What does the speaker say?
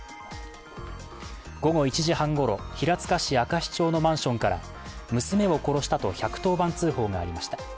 午後１時半ごろ、平塚市明石町のマンションから娘を殺したと１１０番通報がありました。